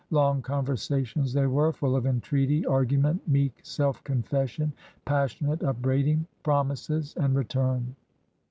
Long conversations they were, full of entreaty, argument, meek self confession, passionate upbraiding, promises, and return.